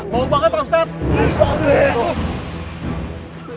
bangun banget pak ustaz